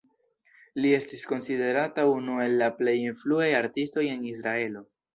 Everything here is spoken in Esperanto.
Li estas konsiderata unu el la plej influaj artistoj en Israelo.